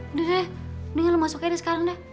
udah deh udah ya lu masuk aja deh sekarang deh